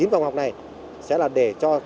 chín phòng học này sẽ là để cho